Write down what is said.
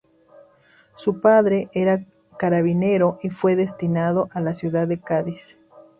Su padre era carabinero y fue destinado a la ciudad de Cádiz.